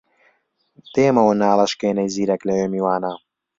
دێمەوە ناڵەشکێنەی زیرەک لەوێ میوانە